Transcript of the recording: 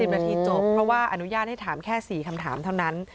นาทีจบเพราะว่าอนุญาตให้ถามแค่๔คำถามเท่านั้น